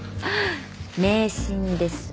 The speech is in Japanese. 迷信です。